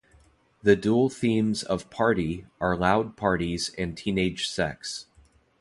The dual themes of "Party" are loud parties and teenage sex.